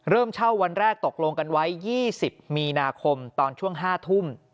เช่าวันแรกตกลงกันไว้๒๐มีนาคมตอนช่วง๕ทุ่ม